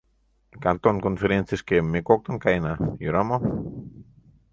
— Кантон конференцийышке ме коктын каена, йӧра мо?